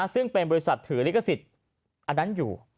ซึ่งเป็นบริษัทถือลิขสิทธิ์อันนั้นอยู่